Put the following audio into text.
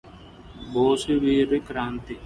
బోసు వీరుని క్రాంతి